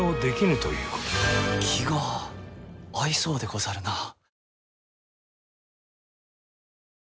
気が合いそうでござるなあ。